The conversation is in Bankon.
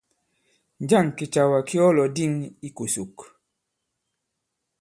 Njâŋ kìcàwà ki ɔ lɔ̀dîŋ ikòsòk?